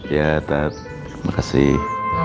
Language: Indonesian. ya tat makasih